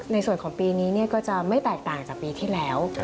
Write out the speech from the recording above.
ในส่วนของปีนี้ก็จะไม่แตกต่างจากปีที่แล้ว